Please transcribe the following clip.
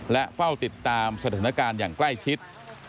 และเฝ้าติดตามสถานการณ์อย่างใกล้ชิด